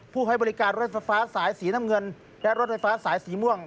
ให้บริการรถไฟฟ้าสายสีน้ำเงินและรถไฟฟ้าสายสีม่วง